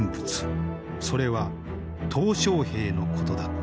それは小平のことだった。